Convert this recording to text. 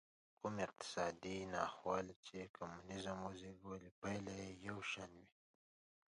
کومې اقتصادي ناخوالې چې کمونېزم وزېږولې پایلې یې یو شان وې.